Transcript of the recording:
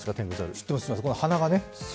知ってます、鼻がね。